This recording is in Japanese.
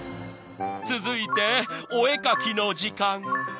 ［続いてお絵描きの時間］